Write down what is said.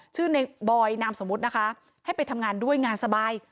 ในบอยนามสมมุตินะคะให้ไปทำงานด้วยงานสบาย